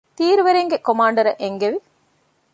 ތީރުވެރީންގެ ކޮމާންޑަރަށް އެންގެވި